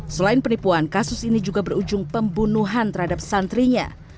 selain penipuan kasus ini juga berujung pembunuhan terhadap santrinya